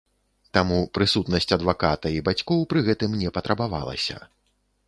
Таму прысутнасць адваката і бацькоў пры гэтым не патрабавалася.